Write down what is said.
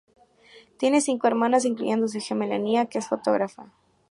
Tiene cinco hermanas, incluyendo a su gemela, Nia, que es fotógrafa.